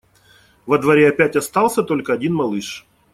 Во дворе опять остался только один малыш.